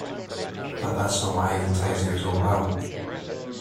But that's not what Avantasia is all about.